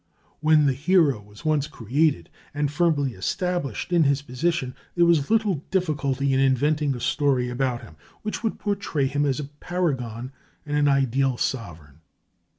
When the hero was once created and firmly established in his position, there was little difficulty in inventing a story about him which would portray him as a paragon and an ideal sovereign.